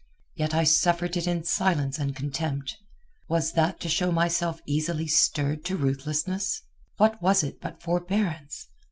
Yet I suffered it in silence and contempt. Was that to show myself easily stirred to ruthlessness? What was it but forbearance?